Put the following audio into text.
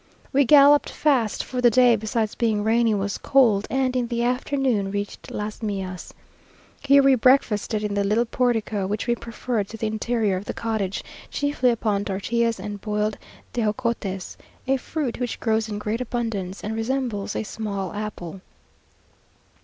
We galloped fast, for the day, besides being rainy, was cold; and in the afternoon reached Las Millas. Here we breakfasted in the little portico, which we preferred to the interior of the cottage, chiefly upon tortillas and boiled tejocotes, a fruit which grows in great abundance, and resembles a small apple.